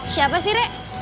siapa sih re